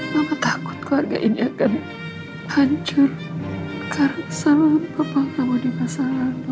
mama takut keluarga ini akan hancur karena selalu bapak kamu di masa lalu